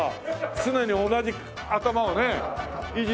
常に同じ頭をね維持。